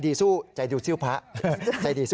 พระขู่คนที่เข้าไปคุยกับพระรูปนี้